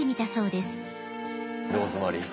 ローズマリー。